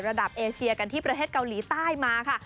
เอเชียกันที่ประเทศเกาหลีใต้มาค่ะ